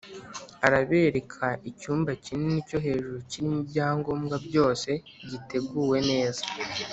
Arabereka icyumba kinini cyo hejuru kirimo ibyangombwa byose giteguwe neza